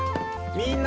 みんな。